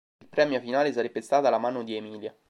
Il premio finale sarebbe stata la mano di Emilia.